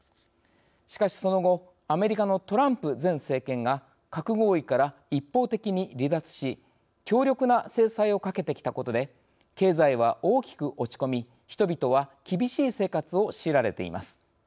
しかし、その後アメリカのトランプ前政権が核合意から一方的に離脱し強力な制裁をかけてきたことで経済は大きく落ち込み人々は厳しい生活を強いられています。